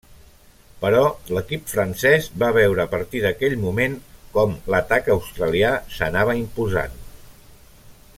Però l'equip francés va veure a partir d'aquell moment com l'atac australià s'anava imposant.